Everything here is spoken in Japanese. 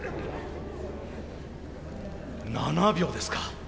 ７秒ですか。